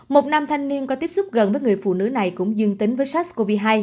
một nam thanh niên có tiếp xúc gần với người phụ nữ này cũng dương tính với sars cov hai